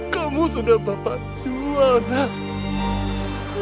kamu sudah bapak jual nak